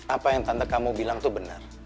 apa yang tante kamu bilang tuh benar